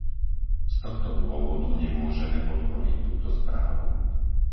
Z tohto dôvodu nemôžeme podporiť túto správu.